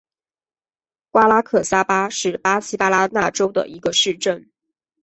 瓜拉克萨巴是巴西巴拉那州的一个市镇。